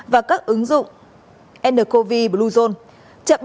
và các ứng dụng ncovid blue zone